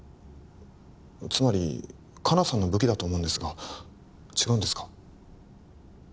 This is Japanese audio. つまり香菜さんの武器だと思うんですが違うんですか？